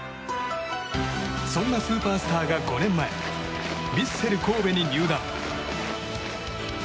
そんなスーパースターが５年前ヴィッセル神戸に入団。